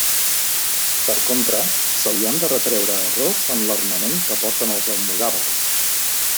Per contra, se li han de retreure errors en l'armament que porten els almogàvers.